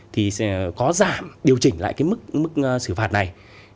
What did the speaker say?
thì sẽ có giảm điều chỉnh lại cái mức xử phạt này